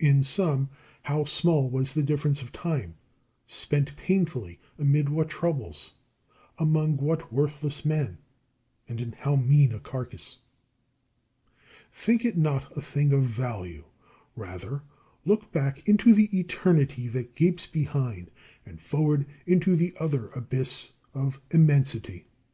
In sum, how small was the difference of time, spent painfully amid what troubles, among what worthless men, and in how mean a carcase! Think it not a thing of value. Rather look back into the eternity that gapes behind, and forward into the other abyss of immensity.